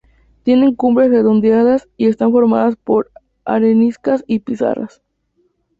Tiene cumbres redondeadas y está conformada por areniscas y pizarras.